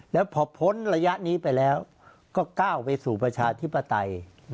แล้วพอพ้นระยะนี้ไปแล้วก็ก้าวไปสู่ประชาธิปไตย